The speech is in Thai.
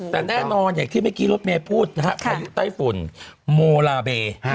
แต่แน่นอนอย่างที่เมื่อกี้รถเมย์พูดนะฮะพายุไต้ฝุ่นโมลาเบ